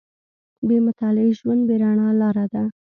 • بې مطالعې ژوند، بې رڼا لاره ده.